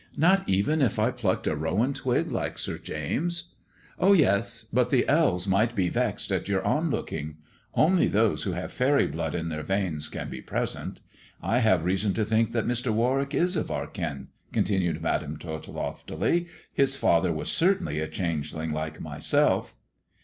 " Not even if I plucked a rowan twig like Sir James ?" "Oh, yes; but the elves might be vexed at your on looking. Only those who have faery blood in their veins can be present. I have reason to think that Mr. Warwick is of our kin," continued Madam Tot loftily. " His father was certainly a changeling like myself."